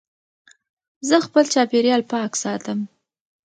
زه خپل چاپېریال پاک ساتم.